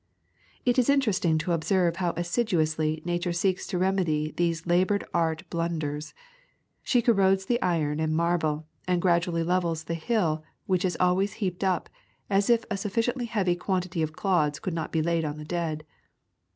It is interesting to observe how assiduously Nature seeks to remedy these labored art blun ders. She corrodes the iron and marble, and gradually levels the hill which is always heaped up, as if a sufficiently heavy quantity of clods could not be laid on the dead.